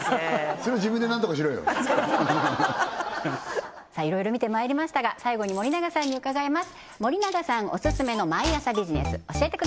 それは自分で何とかしろよいろいろ見てまいりましたが最後に森永さんに伺います